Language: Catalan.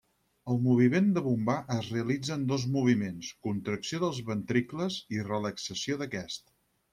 El moviment de bombar es realitza en dos moviments, contracció dels ventricles i relaxació d'aquest.